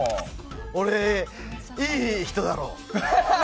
俺、いい人だろ？